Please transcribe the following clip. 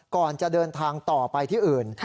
ก่อนจะเดินทางต่อไปที่อื่น